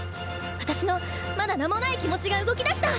私のまだ名もないキモチが動きだした！